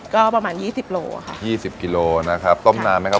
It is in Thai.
ก็ประมาณยี่สิบโลค่ะยี่สิบกิโลนะครับต้มนานไหมครับ